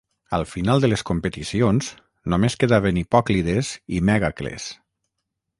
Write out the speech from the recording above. Al final de les competicions, només quedaven Hipòclides i Mègacles.